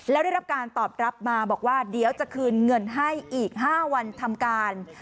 แล้วได้รับการตอบรับมาบอกว่าเดี๋ยวจะคืนเงินให้อีก๕วันทำการ